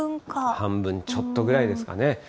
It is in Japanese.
半分ちょっとぐらいですかね。